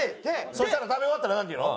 そしたら食べ終わったらなんて言うの？